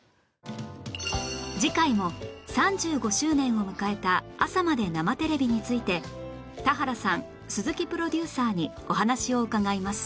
次回も３５周年を迎えた『朝まで生テレビ！』について田原さん鈴木プロデューサーにお話を伺います